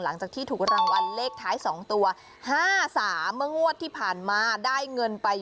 หลังจากที่ถูกรางวัลเลขท้าย๒ตัว๕๓เมื่องวดที่ผ่านมาได้เงินไป